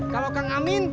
kalau kang amin